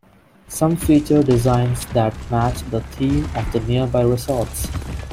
Some feature designs that match the theme of the nearby resorts.